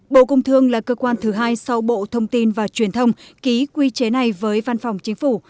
bộ công thương là cơ quan thứ hai sau bộ thông tin và truyền thông ký quy chế này với văn phòng chính phủ